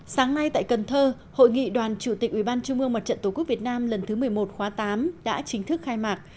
sáng nay tại cần thơ hội nghị đoàn chủ tịch ubnd tqv lần thứ một mươi một khóa tám đã chính thức khai mạc